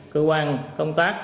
cơ quan công tác